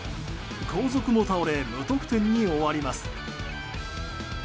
後続も倒れ無得点に終わります。